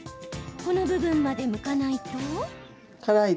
この部分までむかないと？